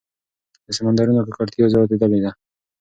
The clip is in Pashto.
د سمندرونو ککړتیا زیاتېدلې ده.